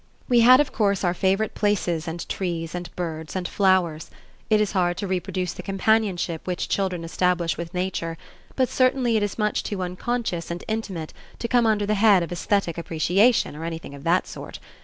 We had of course our favorite places and trees and birds and flowers. It is hard to reproduce the companionship which children establish with nature, but certainly it is much too unconscious and intimate to come under the head of aesthetic appreciation or anything of the sort.